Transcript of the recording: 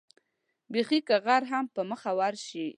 بېخي که غر هم په مخه ورشي.